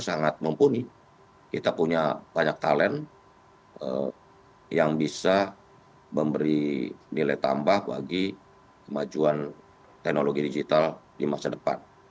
sangat mumpuni kita punya banyak talent yang bisa memberi nilai tambah bagi kemajuan teknologi digital di masa depan